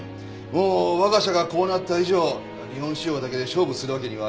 もう我が社がこうなった以上日本市場だけで勝負するわけにはいきませんからね。